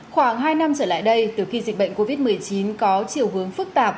khoảng hai năm trở lại đây từ khi dịch bệnh covid một mươi chín có chiều hướng phức tạp